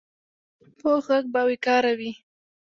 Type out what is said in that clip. پوخ غږ باوقاره وي